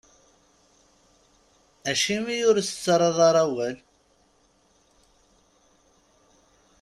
Acimi ur as-tettarraḍ ara awal?